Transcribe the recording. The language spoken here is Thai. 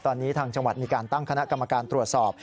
ตอนนี้ทางจังหวัดมีการตั้งคณะกรรมการตรวจสอบ